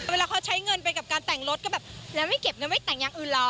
เวลาเขาใช้เงินไปกับการแต่งรถก็แบบแล้วไม่เก็บเงินไว้แต่งอย่างอื่นเหรอ